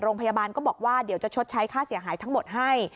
โรงพยาบาลก็บอกว่าเดี๋ยวจะชดใช้ค่าเสียหายทั้งหมดให้